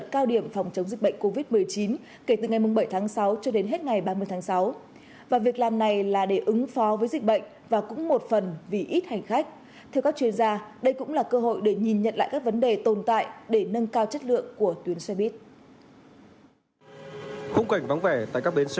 khung cảnh vắng vẻ tại các bến xe huyết